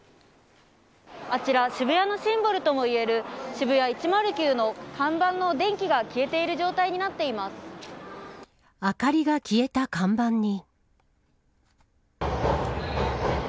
あちら渋谷のシンボルともいえるＳＨＩＢＵＹＡ１０９の看板の電気が消えている明かりが消えた看板に。